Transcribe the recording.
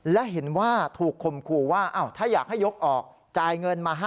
และเห็นว่าถูกคมขู่ว่าถ้าอยากให้ยกออกจ่ายเงินมาให้